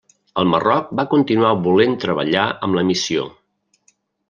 El Marroc va continuar volent treballar amb la missió.